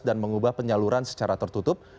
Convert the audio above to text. dan mengubah penyaluran secara tertutup